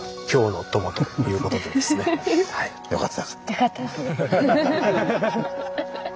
良かった。